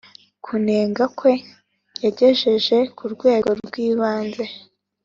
kunenga kwe yagejeje ku rwego rw ibanze